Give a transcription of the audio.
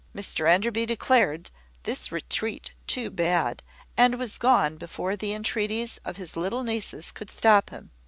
Mr Enderby declared this retreat too bad, and was gone before the entreaties of his little nieces could stop him.